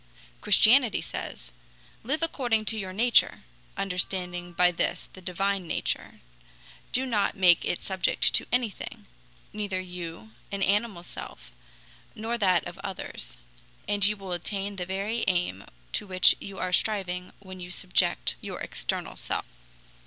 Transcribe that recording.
Christianity says: "Live according to your nature [understanding by this the divine nature]; do not make it subject to anything neither you (an animal self) nor that of others and you will attain the very aim to which you are striving when you subject your external self."